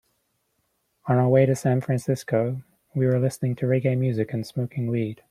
On our way to San Francisco, we were listening to reggae music and smoking weed.